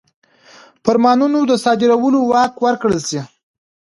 فرمانونو د صادرولو واک ورکړل شي.